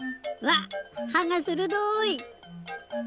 うわっはがするどい！